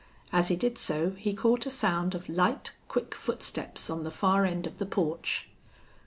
As he did so he caught a sound of light, quick footsteps on the far end of the porch.